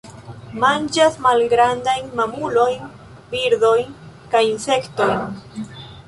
Manĝas malgrandajn mamulojn, birdojn kaj insektojn.